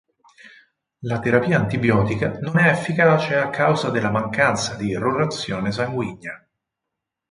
La terapia antibiotica non è efficace a causa della mancanza di irrorazione sanguigna.